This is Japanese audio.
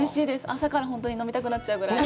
朝から飲みたくなっちゃうぐらい。